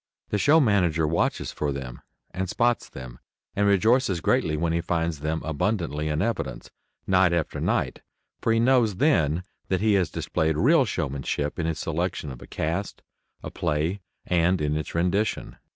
The show manager watches for them and spots them, and rejoices greatly when he finds them abundantly in evidence, night after night, for he knows then that he has displayed real showmanship in his selection of a cast, a play, and in its rendition.